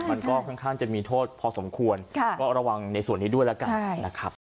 มันก็ค่อนข้างจะมีโทษพอสมควรก็ระวังในส่วนนี้ด้วยแล้วกันนะครับ